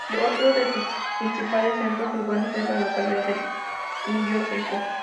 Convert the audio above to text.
Otro de sus principales centros urbanos es la localidad de Indio Rico.